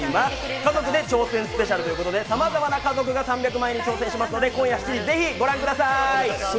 家族で挑戦スペシャルということでさまざまな家族が３００万円に挑戦しますので今夜７時、ぜひご覧ください。